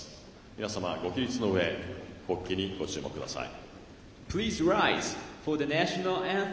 皆様、ご起立のうえ国旗にご注目ください。